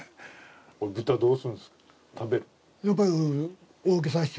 豚どうするんですか？